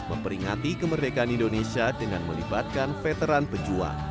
memperingati kemerdekaan indonesia dengan melibatkan veteran pejuang